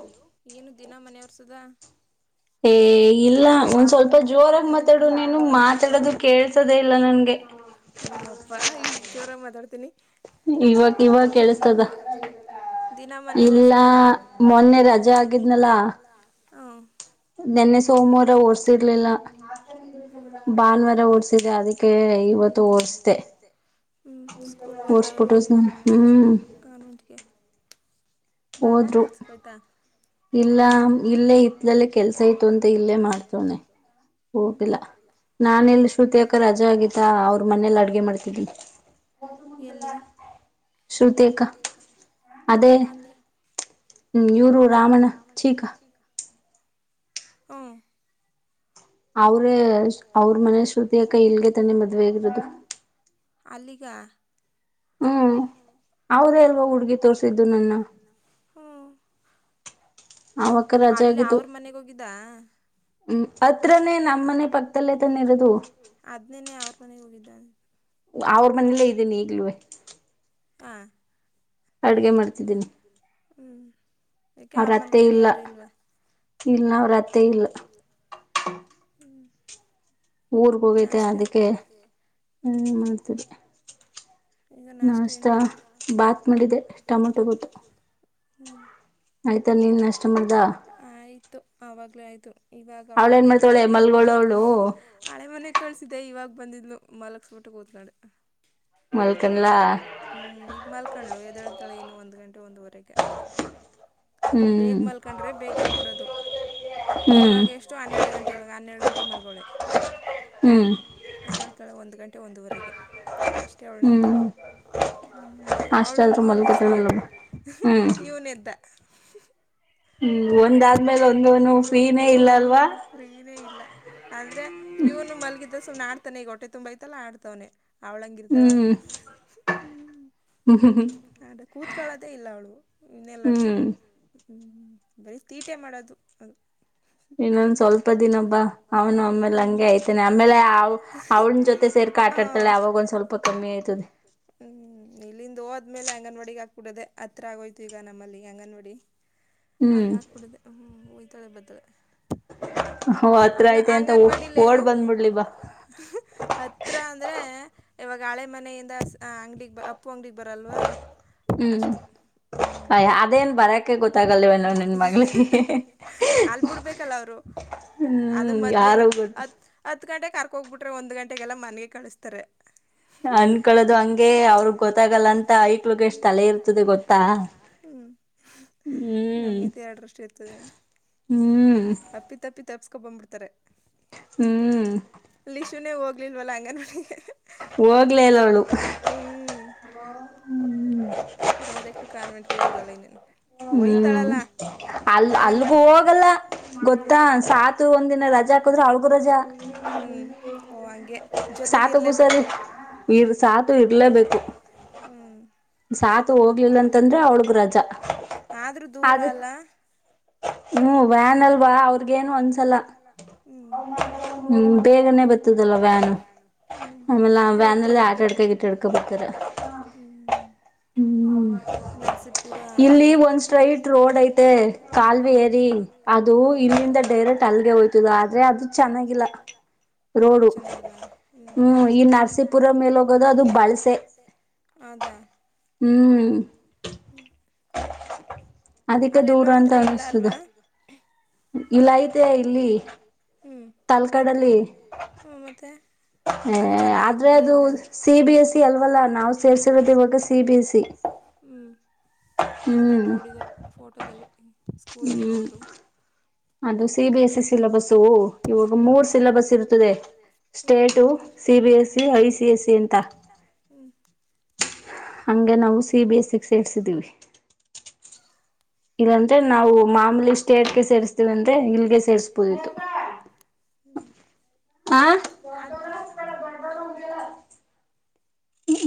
Hello ಏನು ದಿನಾ ಮನೆವರ್ಸುದ. ಏ ಇಲ್ಲ ಒಂದ್ ಸ್ವಲ್ಪ ಜೋರಾಗ್ ಮಾತಾಡು ನೀನು ಮಾತಾಡದು ಕೇಳ್ಸ್ದೇ ಇಲ್ಲ. ನಂಗೆ ಅಯ್ಯಪ್ಪಾ ಇಷ್ಟ್ ಜೋರಗ್ ಮಾತಾಡ್ತೀನಿ. ಇವಾಗ್ ಸೊಲ್ಪ ಕೇಳುಸ್ತಾ ಇದೆ ದಿನ ಮನೆ ಒರ್ಸೋದ. ಮತ್ತೆ ಮೊನ್ನೆ ರಜೆ ಆಗಿದ್ನಲ್ಲಾ ಹ. ನನ್ನೆ ಸೋಮುವಾರ ಒರ್ಸಿರ್ಲಿಲ್ಲ ಭಾನುವಾರ ಒರ್ಸಿದೆ ಅದ್ಕೆ. ಅದೆ ಅದುಕೆ ಇವತ್ತು ಒರುಸ್ದೆ ಹ್ಮ ಸ್ಕೂಲ್ಗೆ ಹೋದ್ರ ಅವ್ರು. ಕರ್ನ್ಮೆಂಟ್ಗೆ. ಬಾವಾ ಕೆಲ್ಸುಕ್ ಒಯ್ತಾ. ಇಲ್ಲ ಇಲ್ಲೇ ಇತ್ಲಲ್ಲಿ ಕೆಲ್ಸ ಇತ್ತು ಅಂತ ಇಲ್ಲೇ ಮಾಡ್ [unintelligible] ಹ್ಮ ಹೋಗಿಲ್ಲ. ನಾನಿಲ್ಲಿ ಶೃತಿ ಅಕ್ಕ ರಜಾ ಆಗಿತ್ತ ಅವ್ರ ಮನೆಲ್ ಅಡ್ಗೆ ಮಾಡ್ತಿದಿನ್. ಎಲ್ಲಿ ಶೃತಿ ಅಕ್ಕ. ಅದೇ ಇವ್ರು ರಾಮಣ್ಣ ಚೀಕ. ಹಾ. ಅವ್ರ ಅವ್ರ್ ಮನೆ ಶೃತಿ ಅಕ್ಕ ಇಲ್ಗೆ ತಾನೆ ಮದ್ವೆ ಅಗಿರೋದು. ಅಲ್ಲಿಗ. ಹ್ಮ್ ಅವ್ರೇ ಅಲ್ವಾ ಹುಡ್ಗಿ ತೋರ್ಸಿದ್ದು ನನ್ನ. ಹಾ. ಅವಕ್ಕ ರಜೆ ಆಗಿದ್ದು. ಹ್ಮ್ ಅತ್ರನೆೇ ನಮ್ಮನೆ ಪಕ್ದಲ್ಲೇ ತಾನೆ ಇರದು. ಅದ್ನೇನೆೇ ಅವ್ರ್ ಮನೆಗ್ ಹೋಗಿದ್ದ. ಅವ್ರ್ ಮನೆಲ್ಲೇ ಇದ್ದೀನಿ ಇಗ್ಲೂವ. ಹಾ. ಅಡ್ಗೆ ಮಾಡ್ತಿದೀನಿ ಹ್ಮ್ ಯಕೆ ಅವ್ರ್ ಮನೆಲ್ ಬೇರೆ ಯಾರು ಇಲ್ವಾ. ಇಲ್ಲ ಅವ್ರ್ ಅತ್ತೆ ಇಲ್ಲ. ಹ್ಮ್. ನಷ್ಟ ಹ್ಮ. ಈಗ ನಾಷ್ಟ ಏನ್ ಮಾಡಿದ್ರಿ ಭಾತ್ ಮಾಡಿದೆ ಟಮೊಟೊ ಬಾತು ಹ್ಮ್. ಆಯ್ತಾ ನೀನ್ ನಷ್ಟ ಮಾಡ್ದ. ಆಯ್ತು ಅವಾಗ್ಲೆ ಆಯ್ತು ಇವಾಗ ಅವ್ಳು ಅವ್ ಅಳೆ ಮನೆ. ಕಳ್ಸಿದ್ದೆ ಇವಾಗ್ ಬಂದಿದ್ಲು ಮಲುಗ್ಸ್ಬಿಟ್ಟು ಕುತ್ಕಂಡೆ ಮಲ್ಕಂಡ್ಲ. ಹ್ಮ್ ಇಗ್ ಮಲ್ಕಂಡ್ಳು ಎದಳ್ತಳೆ ಇನ್ನು ಒಂದ್ ಗಂಟೆ ಒಂದುವರೆಗೆ. ಬೇಗ್ ಮಲ್ಕಂಡ್ರೆ ಬೇಗ್ ಎದ್ಬಿಡದು ಇವಾಗ್ ಎಷ್. ಷ್ಟು ಅನ್ನೆರ್ಡ್ ಗಂಟೆ ಇವಾಗ ಅನ್ನೆರ್ಡ ಗಂಟೆಗ್ ಮಲ್ಗೋಳೆ. ಹ್ಮ್. ಎದಳ್ತಾಳೆ ಒಂದ್ ಗಂಟೆ ಒಂದುವರಿಗೆ ಅಷ್ಟೇ ಅವ್ಳ್ ನಿದ್ದೆ. ಹ್ಮ್ ಅವ್ಳುನ್ ಮಲ್ಗಿಸ್ದೆ ಇವ್ನ್ ಎದ್ದ. [inaudible] ಹ್ಮ್ ಒಂದಾದ್ಮೇಲ್ ಒಂದು ಫ್ರೀನೆ ಇಲ್ಲ ಅಲ್ವಾ. ಫ್ರೀನೆ ಇಲ್ಲ ಅಂದ್ರೆ ಇವ್ನು ಮಲ್ಗಿದ್ದ ಸುಮ್ನೆ ಆಡ್ತಾನೆ ಈಗ ಹೊಟ್ಟೆ ತುಂಬೈತಲ್ಲ ಆಡ್ತವ್ನೆ. ಅವ್ಳಂಗಿರ್ತಾಳ ಹ್ಮ್. ಹ್ಮ ಅದೆ ಕೂತ್ಕಳದೆ ಇಲ್ಲ ಅವ್ಳು ಇನ್ನೆಲ್ಲಡ್ತಾಳೆ. ಹ್ಮ್ ಬರಿ ತೀಟೆ ಮಾಡದು ಅವ್ಳು. ಇನ್ನೊಂದ ಸ್ವಲ್ಪ ದಿನಬ್ಬಾ ಅವನು ಒಮ್ಮೇಲ್ ಹಂಗೆ ಆಐ್ತನ ಆಮೇಲೆ. ಹ ಅವಾಗ ಒಂದ್ ಸ್ವಲ್ಪ ಕಮ್ಮಿ ಆಯತ. ಹ್ಮ್ ಇಲ್ಲಿಂದ ಹೋದ್ಮೇಲೆ ಅಂಗನವಾಡಿಗೆ ಹಾಕ್ಬಿಡದೆ ಅತ್ರ ಆಗೋಯ್ತು ಈಗ ನಮ್ಮಲ್ಲಿ. ಅಂಗನ್ವಾಡಿ ಅಲ್ಗ ಹಾಕ್ಬಿಡದೆ ಹ್ಮ ಹೊಯ್ತಳ ಬರ್ತದೆ. ಅಂಗ ಅಂಗನ್ವಾಡಿಲ್ಲಿ ಏನು. ಹತ್ರಿ ಅಂದ್ರರೆ. ಇವಾಗ ಹಳೆ ಮನೆಯಿಂದ ಅಂಗ್ಡಗ್ ಅಪ್ಪು ಅಂಗಡಗ್ ಬರಲ್ವಾ. ಅಷ್ಟು ಹ್. ಅಯ ಅದೇ ಏನ್ ಬರಕ್ಕೆ ಗೊತ್ತಾಗಲ್ಲ ಅವನಗೆ ಅಲ್ ಬಿಡ್ಬೇಕಲ್ಲ ಅವರು. ಅದ ಮಧ್ಯಾಹ್ನದ ಹತ್ ಹತ್ ಗಂಟೆಗೆ ಕರ್ಕ ಹೋಗ್ಬಿಟ್ರೆ ಒಂದ್ ಗಂಟೆಗೆಲ್ಲಾ ಮನ್ಗೆ ಕಳಿಸ್ತಾರೆ. ಅನ್ಕಳೋದು ಹಂಗೆ ಅವ್ರಗ್ ಗೊತ್ತಾಗಲ್ಲ ಅಂತ ಐಕ್ಳಗ್ ಎಷ್ಟ್ ತಲೆ ಇರ್ತದೆ ಗೊತ್ತಾ. ಹ್ಮ್ ನಮ್ಗಂತ ಎರಡರಷ್ಟು ಇರ್ತದೇನು ಅಪ್ಪ ತಪ್ಪಿ. ತೆಪ್ಸ್ಕೊಂಬಂದ್ಬಿಡ್ತಾರೆ. ಹ್ಮ್. ಲಶುನೇ ಹೋಗ್ಲಿಲ್ವಲ್ಲ ಅಂಗನವಾಡಿಗೆ. ಹೋಗ್ಲಲ್ಲ ಅವಳು. ಡೈರೆಕ್ಟ್ ಕಾರ್ನ್ವೆಂಟ್ಗೆ ಬದಲನನು. ಹ್ಮ್ ಅಲ್ ಅಲ್ಗೂ ಹೋಗಲ್ಲ. ಗೊತ್ತಾ ಸಾತು ಒಂದಿನ ರಜಾ ಕೊಡ್ರೆ ಅವ್ರಗೂ ರಜಾ ಹ್ಮ್ ಓ ಹಾಗೆ. ಜೊತೆಗ ಇರ್ಲೇಬೇಕು. ಇರ್ ಸಾತು ಇರ್ಲೇಬೇಕು. ಹ್ಮ್. ಸಾತೂ ಹೋಗ್ಲಿಲ್ಲ ಅಂತಂದ್ರ. ಅಂದ್ರೆ ಅವಳಗ ರಜಾ ಆದ್ರೂ ದೂರ ಅಲ್ಲ. ಹ್ಮ ವ್ಯಾನ್ ಅಲ್ವಾ ಅವ್ರಗೇನು ಅನ್ಸಲ್ಲ ಹ್ಮ್. ಹ್ಮ್ ಬೇಗನೆ ಬರ್ತದಲ್ಲ ವ್ಯಾನ್ ಹ್ಮ್ ಆದ್ರೂ ಹತ್ರ ಇರ್ಬೇಕಿತ್ತುಕೊ ಬರ್ತದ. ಹ್ಮ್. ನರಸಿಪುರ ಅಲ್ಲಿಲ್ಲಿ ಒಂದ್ ಸ್ಟ್ರೈಟ್ ರೋಡ್ ಐತೆ. ಅದು ಇಲ್ಲಿಂದ ಡೈರೆಕ್ಟ್ ಅಲ್ಲಿಗೆ ಹೋಯ್ತಿದ್ದ ಆದ್ರೆ ಅದು ಚೆನ್ನಾಗಿಲ್ಲ. ರೋಡ್ ಚೆನ್ನಾಗಿಲ್ಲ ಹ್ಮ್ ಹ್ಮ ಈ ನರಸೀಪುರ ಮೇಲೆ ಹೋಗೋದು ಅದು ಬಳ್ಸೆ. ಹೌದ. ಹ್ಮ್ ಅದಕ್ಕೆ ದೂರ ಅಂತ ಅನ್ಸ್ತದ. [inaudible] ಇಲ್ಲ ಇದ ಇಲ್ಲಿ ಹ್ಮ್ ತಲ್ಕಲ್ಲಿ ಹ ಮತ್ತೆ. ಅಲ್ಲಿ ಚೆನ್ನಾಗಾಗಿದೆ ಸಿ ಬಿ ಎಸ್ಸ ಅಲ್ವಲ್ಲ ನಾವವು ಸೇರ್ಸಗದಿ ಹ ಸಿ ಬಿ ಎಸ್ಸ. ಹ್ಞೂ ಅದೇ ನೋಡಿದೆ ಫೋಟೋದಲ್ಲಿ ಸ್ಕೂಲ್ ದೊಡ್ದ. ಅದು C B S C syllabus ಇವಾಗ ಮೂರ್ ಸಿಲಬಸ್ ಇರುತ್ತದೆ state. C B S I C S ಅಂತ. ಹಂಗೆ ನಾವು ಸಿ ಬಿ ಎಸ್ ಸಿಕ್ಸ್ ಹೇಳ್ಸಿದಿವವಿ. ಇಲ್ಲಂದ್ರೆ ನಾವು ಮಾಮೂಲಿ ಸ್ಟೇಟ್ಗೆ ಸೇರಿಸೀವಿ. ಅಂದ್ರೆ ಇಲ್ಗೆ ಸೇರ್ಸ್ಬೋದಿತ್ತು ಹ. ಅತಾ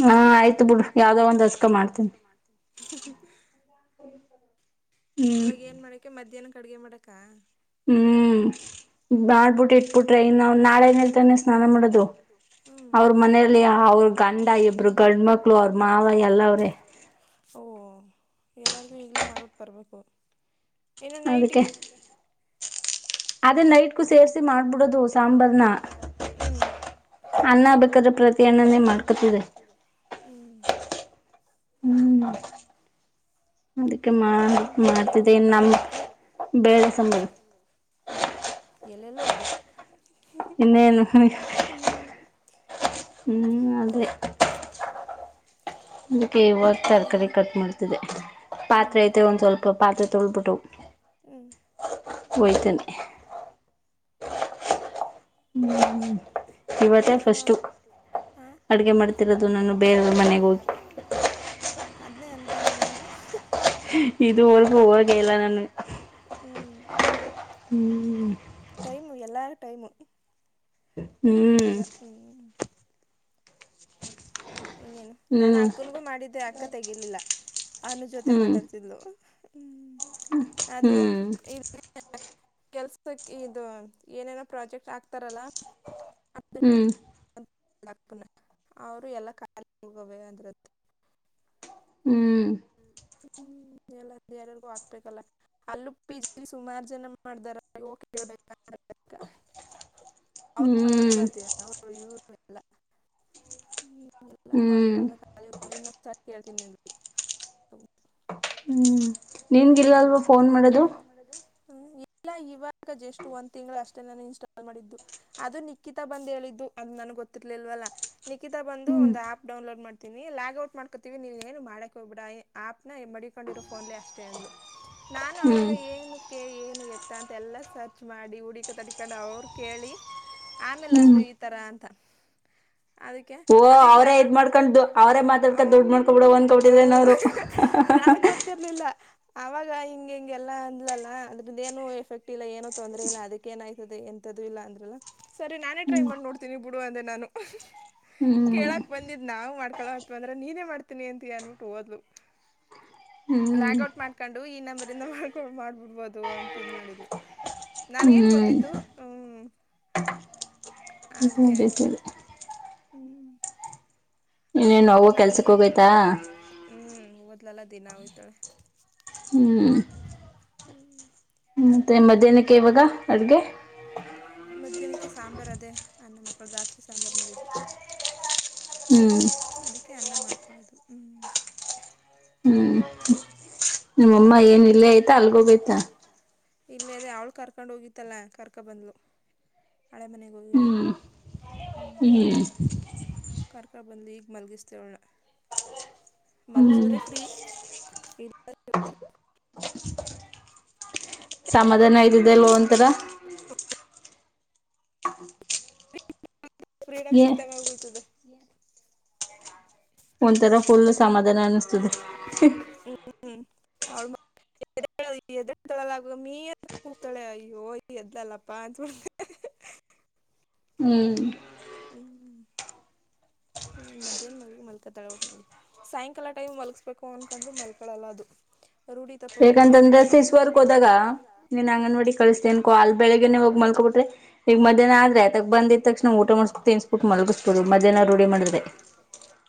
ಹಾ ಆಯ್ತು ಬಿಡು ಯಾವ್ದದೋ ಒಂದ್ ಅಸಕ ಮಾಡ್ತೇನಿ. [inaudible] [inaudible] ಇವಾಗ ಏನ್ ಮಾಡಕೆ ಮಧ್ಯಾಹ್ನ ಅಡುಗೆ ಮಾಡಕ ಹ್ಮ್ ಮಾಡ್ಬಿಟ್ಟು ಇಟ್ಬಿಟ್ರೆ ಇನ್ನು ನಾವು ನಾಳೆ ತಾನೇ ಸ್ನಾನ ಮಾಡೋದು ಅವ್ರ ಮನೆಯಲ್ಲಿ ಅವ್ರ ಗಂಡ ಇಬ್ರು ಗಂಡ್ಮಕ್ಳು ಅವ್ರ ಮಾವ ಎಲ್ಲ ಅವ್ರೆ ಓ ಎಲ್ಲರಿಗು ಈಗ್ಲೇ ಮಾಡ್ಬಿಟ್ ಬರ್ಬೇಕು ಇನ್ನು ನೈಟ್ಗೆ ಅದೇ ನೈಟ್ಗೂ ಸೇರ್ರಿಸಿ ಮಾಡ್ಬಿಡೋದು ಸಾಂಬಾರ್ ನ ಹ್ಮ ಅನ್ನ ಬೇಕಾದ್ರೆ ಪ್ರತಿ ಅಣ್ಣನೇ ಮಾಡ್ಕೊತಿದೆ ಹ್ಮ ಹ್ಮ್ ಅದಕ್ಕೆ ಮಾಡ್ತಿದ್ದ ನಮ್ಮ ಬೇಳೆ ಸಾಂಬಾರ್ ಹ್ಮ... ಎಲ್ಲೆಲ್ಲೂ ಅದೇ ಇನ್ನೇನು ಹ್ಮ್ ಹ್ಮ.. ಅದೇ ಹ್ಮ ಇನ್ನೇನು ಅ ತರ್ಕಾರಿ ಕಟ್ ಮಾಡ್ತಿದೆ ಪಾತ್ರೆ ಐತೆ ಒಂದ್ ಸ್ವಲ್ಪ ಪಾತ್ರೆ ತೊಲ್ಬಿಟ್ಟು ಹ್ಮ್ ಹೋಯ್ತಿನಿ ಹ್ಮ್.... ಹ್ಮ.... ನಾನು ಹ ಅಡ್ಗೆ ಮಾಡ್ತಿರೋದು ನನ್.. [inaudible] ಅದನೇ ಅನ್ಕೊಂಡೆ ನಾನು ಇದುವರೆಗೂ ಹೋಗಿಲ್ಲ ನಾನು ಹ್ಮ ಟೈಮು ಎಲ್ಲ ಟೈಮು ಟೈಮ್ ಬಂದಾಗ ಹ್ಞೂ.... ಇನೇನು ನಾನ ಅಕ್ಕನ್ಗೂ ಮಾಡಿದ್ದೆ ಅಕ್ಕ ತೆಗಿಲಿಲ್ಲ ಅನು ಜೊತೆ ಮಾತಾಡ್ತಿದ್ಲು ಹ್ಮ್... ಅದು [inaudible] ಕೆಲ್ಸಕ್ಕೆ ಇದು ಏನೇನೋ ಪ್ರಾಜೆಕ್ಟ್ ಆಗ್ತಾರಲ್ಲ. [inaudible] ಹ್ಮ ಅವರು ಎಲ್ಲ ಕಾಲಿ ಹೋಗ ಅಂದ್ರ [inaudible] ಹ್ಮ... ಹ್ಮ್ ಹ್ಮ್ ಎಲ್ಲ ಬೇಡ್ವರಿಗೂ ಹಾಕ್ಬೇಕಲ್ಲ [inaudible] ಅಲ್ಲು ಪಿಜಿಲಿ ಸುಮಾರು ಜನ ಮಾಡ್ದಾರೇಳ್ಬೇಕಬೇಕ [unintelligible] ಅವ್ರ ಮನೆಯವರು ಅಂತನವರು ಇವರು ಎಲ್ಲ ಹ್ಮ [unintelligible] [inaudible] ಎಲ್ಲವೂ ಹಾಕ್ಬಾರ್ದಕ್ಕ [inaudible] ಇನ್ನೊ್ಸ ಕೇಳ್ತೀನಿ ನಿ ಹ್ಞ ನಿನ್ಗಿಲ್ಲ ಅಲ್ವಾ ಫೋನ್ ಮಾಡೋದು ಮಾಡದು ಹ್ಮ ಇಲ್ಲ ಇವಾಗ ಜಷ್ಟು ಒಂದ್ ತಿಂಗಳು ಅಷ್ಟೇ ನಾನು ಇನ್ಸ್ಟಾಲ್ ಮಾಡಿದ್ದು ಅದು ನಿಕ್ಕಿತ ಬಂದ್ ಹೇಳಿದ್ದು ಅಂದ್ ನನ್ಗ್ ಗೊತ್ತಿರ್ಲಿಲ್ವಲ್ಲ ನಿಕಿತಾ ಬಂದು ಒಂದ್ ಆ್ಯಪ್ ಡೌನ್ಲೋಡ್ ಮಾಡ್ತೀ ಲ್ಯಾಗ್ ಔಟ್ ಮಾಡ್ಕೋತೀವಿ ನೀವ ಏನು ಮಾಡಕೆ ಹೋಗ್ಬೇಡ ಆ್ಯಪ್ನ ಮಡಕೊಂಡಿರೋ ಫೋನ್ಲೇ ಅಷ್ಟೇ ಅಂದಲು ನಾನು ಅವಾಗ ಏನಕ್ಕೆ ಏನು ಎತ್ತ ಅಂತ ಎಲ್ಲ ಸರ್ಚ್ ಮಾಡಿ ಹುಡಿಕ ತಟ್ಕೊಂಡು ಅವರು ಕೇಳಿ ಆಮೇಲೆ ಅಂದ್ಲು ಈ ತರ ಅಂತ ಅದಕ್ಕೆ ಅದಕ್ಕೆ ಲಾಗ್ ಔಟ್ [inaudible] ಗೊತ್ತಿರ್ಲಿಲ್ಲ ಅವಾಗ ಹಿಂಗ ಹಿಂಗೆಲ್ಲಾ ಅಂದ್ಲಲ್ಲ ಅದ್ರದ ಏನು ಎಫೆಕ್ಟ್ ಇಲ್ಲ ಏನು ತೊಂದ್ರರೆ ಇಲ್ಲ ಅದಕ್ಕೆ ಏನಾಯ್ತದೆ ಎಂತದ್ದು ಇಲ್ಲ ಅಂದ್ರಲ್ಲ ಸರಿ ನಾನೇ ಟ್ರೈ ಮಾಡಿ ನೋಡ್ತೀನಿ ಬುಡು ಅಂದೆ ನಾನು ಕೇಳಕ್ ಬ ಇದ್ ನಾವ ಮಾಡ್ಕೋ ಅತ್ವಂದ್ರ ನೀ ಮಾಡತೀನಿ ಅಂತ ಅನ್ಬಟ್ಟು ಓದ್ಲು ಲ್ಯಾಗ್ ಔಟ್ ಮಾಡ್ಕೊಂಡು ಈ ನಂಬರಿಂದ ಮಾಡ್ಕೊಂಡ ಮಾಡ್ಬಿಡ್ಬೋದು ಅಂತ ಇದ ಮಾಡಿದಲು ನನ್ಗೇನ್ ಗೊತ್ತಿತ್ತು ಹ್ಮ ಅದ್ಕ. ಹ್ಮ ನಕ್ಕೆ ನಾನ ಟ್ರ ಕೆಲ್ಸ ಹೋಗಾ ಹ್ಮ್ ಹಓದ್ಲಲ್ಲ ದಿನಯ್ತಾಳೆ. ಹ್ಮ್ ಹ್ಮ ಮತ್ತೆ ಮಧ್ಯಾಹ್ನಕ್ಕೆ ಇವಾಗ ಅಡ್ಗೆ. ಮಧ್ಯಾಹ್ನಕ್ಕೆ ಸಾಂಬಾರ್ ಅದೇ ಅನ್ನ ಮಕ್ಕಳ ರಾತ್ರಿ ಸಾಂಬರ ಮಾಡಿದ್ದು. ಹ್ಮ ಅದಕ್ಕೆ ಅನ್ನ ಮಾಡ್ಕೊಳ್ಳೋದು ಹ್ಮ್. ನಿಮ್ಮಮ್ಮ ಏನ್ ಇಲ್ಲೇ ಆಯ್ತಾ ಅಲ್ಗೋಗಯ್ತಾ. ಇಲ್ಲೇ ಅದೆ ಅವಳು ಕರ್ಕೊಂಡು ಹೋಗಿತ್ತಲ್ಲ ಕರ್ಕೊ ಬಂದ್ಲು. ಹಳೆ ಮನೆಗ ಹೋಗಿದ್ಲು. ಹ್ಮ್ ಕಾರ್ಕ ಬಂದ್ ಈಗ ಮಲಗಿಸದೆ ಅವಳ್ನ ಮಲ್ಗಸುದ್ರೆ ಫ್ರೀ ಸಮಾಧಾನ ಆಯ್ತದೆ ಅಲ್ವ ಒಂಥರ. [inaudible] [inaudible] ಫ್ರೀಡಮ್ ಸಿಕ್ತಾವ ಹಂಗಯ್ತದೆ. ಒಂಥರ ಫುಲ್ ಸಮಾಧಾನ ಅನ್ನಿಸ್ತದೆ. ಹ್ಮ್ ಅವಳು [unintelligible] ಎದ ಮೀ ಹೋಗ್ತಾಳೆ ಅಯ್ಯೋಯ ಎದ್ಲಲ್ಲಪ್ಪಾ ಅಂತ ಹ್ಮ್ ಹ್ಮ್ ಮಧ್ಯಾಹ್ನ ಮಲ್ ಮಲ್ಕಾತಾಳ ಅವಳ ನಾಳಿ ಸಾಯಂಕಾಲ ಟೈಮ್ ಮಲಗಸ್ಬೇಕು ಅನ್ಕೊಂಡ್ರರು ಮಲ್ಕೊಳ್ಳಲ್ಲ ಅದು ರೂಢಿ ಏಕಂತಂದ್ರೆ ಈಸ್ರ್ಕ್ ಹೋದಾಗ ನೀನ್ ಅಂಗನವಾಡಿ ಕಳಿಸ್ತೇನ್ಕೋ ಅಲ್ ಬೆಳಗ್ಗನೆ ಹೋಗಿ ಮಲ್ಕೊ ಬಿಟ್ರೆ ಈಗ ಮಧ್ಯಾಹ್ನ ಆದ್ರೆ. ತದ ಬಂದಿದ ತಕ್ಷಣ ಊಟ ಮಾಡಿಸಕು ತಿನ್ಸ್ಬಿಟ್ಟ ಮಗಸ್ಬೋುದು ಮದ್ಯಾನ ರೂಢಿ ಮಾಡಿದ್ರೆ.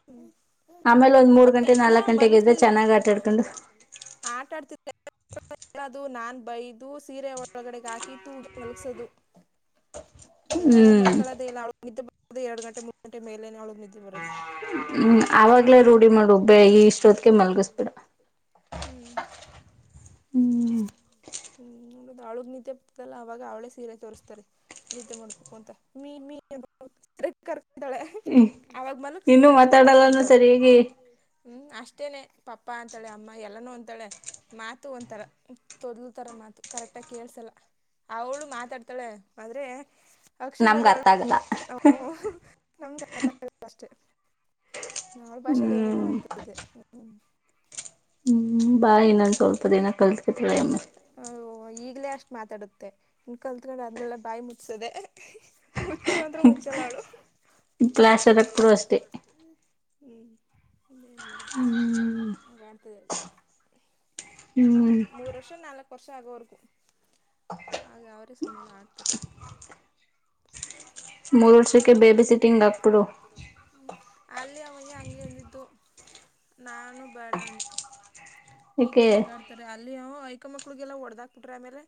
ಹ್ಮ್ ಆಮೇಲೆ ಒಂದ್ ಮೂರ್ ಗಂಟೆ ನಾಲ್ಕಕ್ ಗಂಟೆಗ ಎದ್ರೆ ಚೆನ್ನ್ ಆಟ ಆಡ್ಕೊಂಡು. ಆಟ ಆಡ್ [unintelligible] [unintelligible] ನಾನ್ ಬೈದು ಸೀರೆ ಒಳಗಡೆಗೆ ಹಾಕಿ ತೂಗ ಮಲಗಸೋದು. ಇಲ್ಲ ಅಂದ್ರೆ ಅಂಳ್ಕೊಳದೆ ಇಲ್ಲ ಅವ್ಳಿಗೆ ನಿದ್ದೆ ಬರೋದೇ ಎರಡ ಗಂಟೆ ಮೂರು ಗಂಟೆ ಮೇಲೆನೆ ಅವಳಿಗೆ ನಿದ್ದೆ ಹ್ಮ್ ಅವಾಗ್ಲೇ ರೂಢಿ ಮಾಡ ಒಬ್ಬೇ ಈ ಇಷ್ಟೊತ್ತಕ ಮಲ್ಗಿಸ್ಬಿಡು. ಹ್ಮ್ ಹ್ಮ್ ಅಳ್ಳುದ ನಿದ್ದೆ ಬಡ್ತಲ್ಲ ಅವಾಗ ಅವಳೇ ಸೀರೆ ತೋರಿಸಸ್ತಾರೆ ನಿದ್ದೆ ಮಾಡ್ ಅಂತ ಮೀನ್ ಮೇನ [unintelligible] ತಾಳೆ ಅವಾಗ ಮಲಕಸ ತಕ್ಷಣ ಮಲ್ಕೊಬಿಡತಾಳೆ. ಹ್ಮ್ ಅಷ್ಟೇನೆ ಪಪ್ಪಾ ಅಂತಾಳೆ ಅಮ್ಮ ಎಲ್ಲಾನೂ ಅಂತಾಳೆ. ಮಾತು ಒಂಥರ ತೊದ್ಲುತರ ಮಾತು ಕರೆಕ್ಟಾಗಿ ಕೇಳಳ್ಸಲ್ಲ. ಅವಳು ಮಾತಾಡ್ತಾಳೆ ಆದ್ರೆ. ಅಕ್ಷರಗಳು. [unintelligible] ಅವಳ ಭಾಷೆಯಲ್ಲಿ ಏನನ ಅಂತದೆ ಹ್ಮ. ಹ್ಮ್ ಬಾ ಇನ್ನನ್ ಸ್ವಲ್ಪ ದಿನ ಕಲ್ತ್ಕತಳ ಅಮ್ಮು. ಈಗಲೇ ಅಷ್ಟು ಮಾತಾಡುತ್ತೆ ಕಲ್ತ್ಕಡೆ ಅದನ್ನೆಲ್ಲ ಬಾಯಿ ಮಚಸೋದೆ. ಮುಚ್ಚು ಅಂದ್ರೆ ಮುಚ್ಚಲ್ಲಾ ಅವಳು. ಕ್ಲಾಸ್ ಅದ ಕೂರು ಅಷ್ಟೇ ಹ್ಮ್ ಇನ್ನೇನ್ ಮಾಡದು ಕಾಣತದ ಅಲ್ಲಿ. ಹ್ಮ್. ಮೂರು ವರ್ಷ ನಾಲ್ಕು ವರ್ಷ ಆಗೋವರೆಗೂ ಆಗ ಅವರೇ ಸುಮ್ಮ ಆಗ್ತಾರೆ. ಹ್ಮ್ ಮೂರ್ ವರ್ಷಕ್ಕೆ ಬೇಬಿ ಸಿಟಿಂಗ್ ಆಗ್ತದು. ಹ ಅಲ್ಲಿ ಅವಯ್ಯ ಹಂಗೆ ಅಂದಿದ್ದು ನಾನು ಬೇಡ ಅಂದೆ. ಈಗ್ಲೇ ಹಿಂಗಾಗಿ ಅಲ್ಲಿಯ ಐಕ ಮಕ್ಳಿಗೆಲ್ಲ ಹೊಡದಾಕ್ ಬಿಟ್ರೆ ಆಮೇಲೆ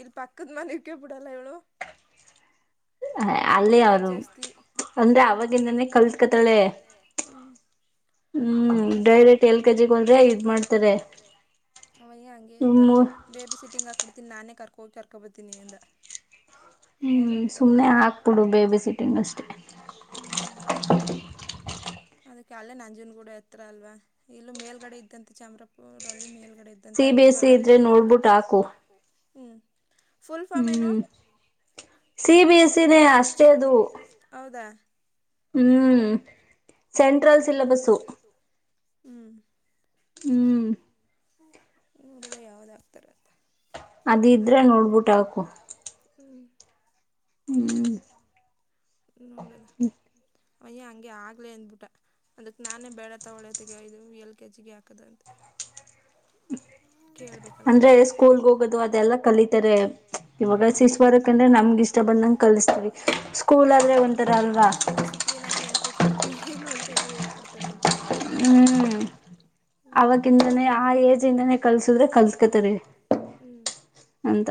ಇಲ್ಲಿ ಪಕ್ಕದ ಮನೆವಕ್ಕೆ ಬಿಡಲ್ಲ ಇವಳು ಒಡೆಯದ್ ಜಾಸ್ತಿ ಹ್ಮ್ ಕಲ್ಕಳೆ ಹ್ಮ. ನೋಡದ [unintelligible] ಇದ ಮಾಡ್ತಾರೆ ಅವಯ್ಯ ಹಂಗೆ ಅಂದ. ಬೇಬಿ ಸಿಟ್ಟಿಂಗ್ ಹಾಕ್ಬಿಡ್ತೀನಿ ನಾನೇ ಕರ್ಕೊಂಡ ಕರ್ಕೊಬರ್ತೀನಿ ಅಂದ. ಹ್ ಸುಮ್ಮನೆ ಹಾಕ್ಬಿಡು ಬೇಬಿ ಸಿಟಿಂಗ್ ಅಷ್ಟೇ. ಹ್ಮ್ ಅದಕ್ಕೆಲ ನಂಜನ ಕೂಡ ಹತ್ರ ಅಲ್ವಾ ಇಲ್ಲ ಮೇಲ್ಗಡೆ ಇದ್ದಂತೆ ಚಾಮ್ರಾಪುರ ಅಲ್ಲಿ ಮೇಲ್ಗಡೆ ಇದ ಪೀ ಸೀ ಇದ್ರೆ ನೋಡಿ ಬಿಟ್ಟು ಹಾಕು ಫುಲ್ ಫಾರ್ಮ್ ಏನು? [unintelligible] ಹೌದಾ- ಹ್ಮ್ ಸೆಂಟ್ರಲ್ ಸಿಲ್ಯಾಬಸ್ ಹ್ಮ್. ಹ್ಮ್. ನೋಡೋದ ಯಾವ್ದಾಗ ಆಗ್ತಾರ ಅಂತ ಅದಿದ್ರೆ ನೋಡ್ಬಿಟ್ಟ ಹಾಕು. ಹ್ಮ್. ಹ್ಮ್. ನೋಡದ ಅಯ್ಯ ಹಂಗೆ ಆಗ್ಲೆ ಅಂದ್ಬಿಟ್ಟ. ಅದಕ್ ನಾನೇ ಬೇಡತ್ತ ಹೊಳ್ಳೆತೆಗ ಇದು ಎಲ್ ಕೆ ಜಿಗೆ ಹಾಕದಂತೆ [inaudible] ಅಂದ್ರೆ ಸ್ಕೂಲ್ಗೆ ಹೋಗೋದು ಅದೆಲ್ಲಾ ಕಲಿತಾರೆ ಇವಾಗ ಶಿಸ ಬರಕಂದ್ರೆ ನಮ್ಗ ಇಷ್ಟ ಬಂದಗ. ಕಲ್ಸ್ತಿವಿ ಸ್ಕೂಲ್ ಆದ್ರೆ ಒಂಥರ ಅಲ್ವಾ? ಕ್ಲೀನಾಗಿ ಹೆಂಗೆ ಕೂತ್ಕೋಬೇಕು ಏನು ಅಂತಾರು ಹೇಳ್ಕೊಡ್ತಾರೆ ಅಂತಾನ. ಹ್ಮ್ ಅವತ್ತತಿಂದಾನೆ ಆ ಏಜ್ ಇಂದಾನೆ ಕಲ್ಸುದ್ರೆ ಕಲ್ಸ್ಕತರಿ ಹ್ಮ್. ಅಂತ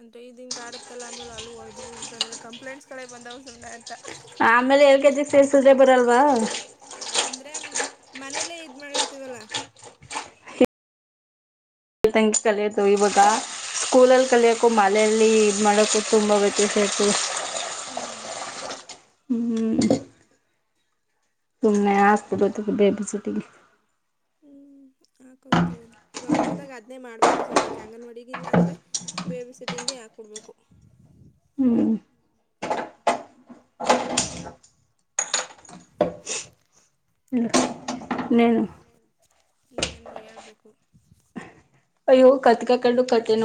ಅಂತ ಇದ ಹಿಂಗ ಆಡುತ್ತಲ್ಲ ಆಮೇಲೆ ಅಲ್ಲೂ ಹೊಡದ ಗಿಡದ ಬಿಟ್ಟ ಆಮೇಲೆ ಕಂಪ್ಲೇಂಟ್ಸ್ ಗಳೇ ಬಂದ್ ಸುಮ್ನೆ ಆತ್ ಆಮೇಲೆ ಎಳ್ ಕೆ ಜಿ ಸೇರಿಸಿದ್ರೆ ಬರಲ್ವಾ? ಅಂದ್ರೆ ಮನೇಲ್ಲೇ ಇದು ಮಾಡಿರ್ತೀವಲ್ಲ. ತಂಗಿ ಕಲಿಯೋದು ಇವಾಗ ಸ್ಕೂಲಲ್ಲಿ ಕಲಿಯಕು ಮಳೆಯಲ್ಲಿ ಮಾಡಕ ತುಂಬಾ ವ್ಯತ್ಯಾಸ ಹ್ಮ್. ಹ್ಮ. ಸುಮ್ಮ್ನೆ ಹಾಸ್ಪಿಡೋ ಬೇಬಿ ಸಿಟಿಗೆ ಹ್ಮ್ ಆಕಲ್ತು ಇವಾಗ ಹೋದಾಗ ಅದನೇ ಮಾಡ್ಬೇಕು ಸದ್ಯಕ್ಕೆ ಅಂಗನವಾಡಿಗೆ ಇಲ್ಲ ಅಂದ್ರೆ ಬೇಬಿ ಸಿಟಿಂಗೆ ಹಾಕಿ ಬಿಡ್ಬೇಕು. ಹ್ಮ. ಹ್ಮ್. ನೇನ ಇನ್ನೇನು ಹೇಳ್ಬೇಕು. ಅಯ್ಯೋ ಕದಕ ಕಣ್ಣು ಕಡಲೆ ನೋವು